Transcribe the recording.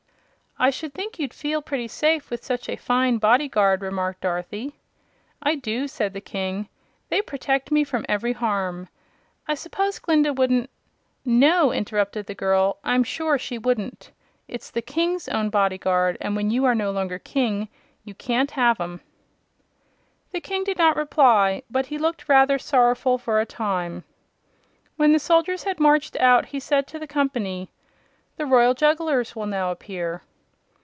"I should think you'd feel pretty safe with such a fine Bodyguard," remarked Dorothy. "I do," said the King. "They protect me from every harm. I suppose Glinda wouldn't " "No," interrupted the girl; "I'm sure she wouldn't. It's the King's own Bodyguard, and when you are no longer King you can't have 'em." The King did not reply, but he looked rather sorrowful for a time. When the soldiers had marched out he said to the company: "The Royal Jugglers will now appear."